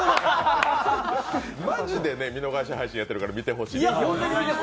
マジで見逃し配信やってるから見てほしい。